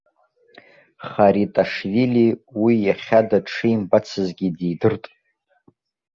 Хариташвили уи иахьада дшимбацызгьы дидырт.